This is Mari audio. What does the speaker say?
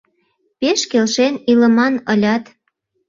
Пеш келшен илыман ылят...